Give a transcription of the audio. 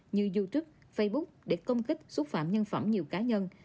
như youtube facebook để công kích xúc phạm nhân phẩm nhiều cá nhân